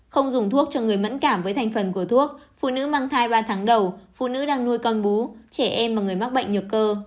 không dùng thuốc cho người mẫn cảm với thành phần của thuốc phụ nữ mang thai ba tháng đầu phụ nữ đang nuôi con bú trẻ em và người mắc bệnh nhược cơ